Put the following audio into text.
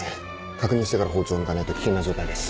確認してから包丁を抜かないと危険な状態です。